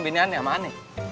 bini aneh ama aneh